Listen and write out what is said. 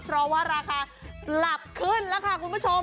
เพราะว่าราคาปรับขึ้นแล้วค่ะคุณผู้ชม